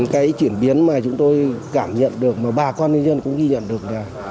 cái chuyển biến mà chúng tôi cảm nhận được mà bà con nhân dân cũng ghi nhận được là